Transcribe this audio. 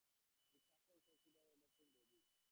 The couple considered adopting a baby.